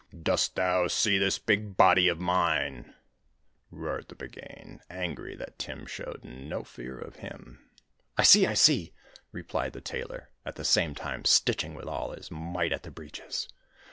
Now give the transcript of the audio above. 'Dost thou see this big body of mine?' roared the Buggane, angry that Tim showed no fear of him. 'I see, I see!' replied the Tailor, at the same time stitching with all his might at the breeches.